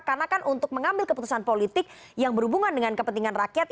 karena kan untuk mengambil keputusan politik yang berhubungan dengan kepentingan rakyat